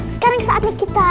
sekarang saatnya kita